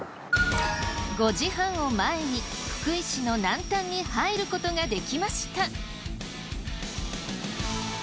５時半を前に福井市の南端に入ることができました。